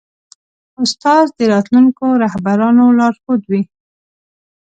استاد د راتلونکو رهبرانو لارښود وي.